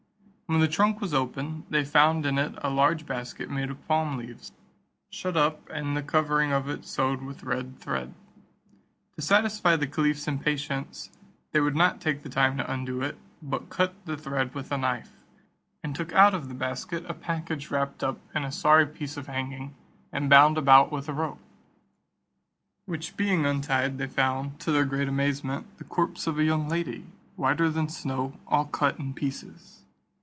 When the trunk was opened, they found in it a large basket made of palm leaves, shut up, and the covering of it sewed with red thread. To satisfy the caliph's impatience, they would not take time to undo it, but cut the thread with a knife, and took out of the basket a package wrapt up in a sorry piece of hanging, and bound about with a rope; which being untied, they found, to their great amazement, the corpse of a young lady, whiter than snow, all cut in pieces.